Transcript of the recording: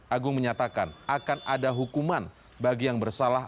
agung menyatakan akan ada hukuman bagi yang bersalah